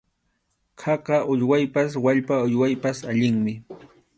Khaka uywaypas wallpa uywaypas allinmi.